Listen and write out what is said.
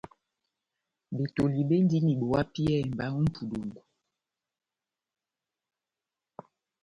Betoli bendini bo hapiyɛhɛ mba ó mʼpudungu.